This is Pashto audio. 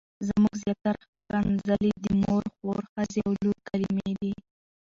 زموږ زياتره ښکنځلې د مور، خور، ښځې او لور کلمې دي.